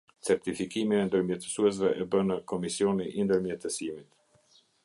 Certifikimin e ndërmjetësuesve e bënë Komisioni i ndërmjetësimit.